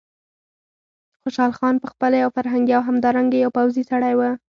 خوشحال خان په خپله یو فرهنګي او همدارنګه یو پوځي سړی و.